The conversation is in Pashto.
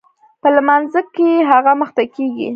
په لمانځه کښې هغه مخته کېږي.